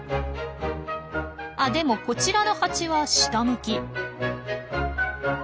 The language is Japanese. あでもこちらのハチは下向き。